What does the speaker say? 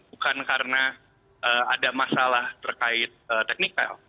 bukan karena ada masalah terkait teknikal